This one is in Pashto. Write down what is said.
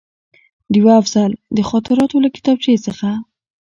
ډېوه افضل: د خاطراتو له کتابچې څخه